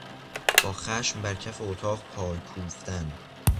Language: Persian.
با خشم برکف اتاق پای کوفتن